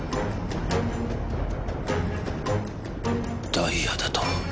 ダイヤだと？